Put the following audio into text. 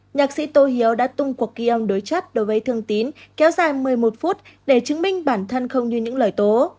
nhạc sĩ tô hiếu đã tung cuộc kion đối chất đối với thương tín kéo dài một mươi một phút để chứng minh bản thân không như những lời tố